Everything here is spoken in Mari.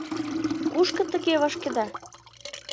— Кушко тыге вашкеда?